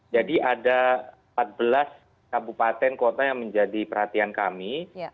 jadi ada empat belas kabupaten kota yang menjadi perhatian kami